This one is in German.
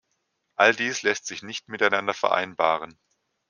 All dies lässt sich nicht miteinander vereinbaren.